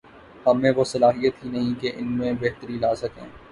ہم میں وہ صلاحیت ہی نہیں کہ ان میں بہتری لا سکیں۔